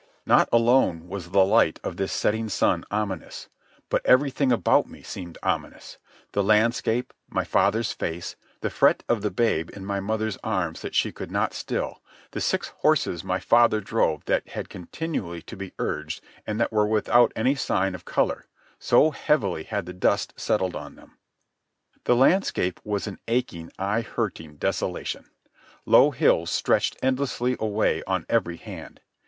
Not alone was the light of this setting sun ominous, but everything about me seemed ominous—the landscape, my father's face, the fret of the babe in my mother's arms that she could not still, the six horses my father drove that had continually to be urged and that were without any sign of colour, so heavily had the dust settled on them. The landscape was an aching, eye hurting desolation. Low hills stretched endlessly away on every hand.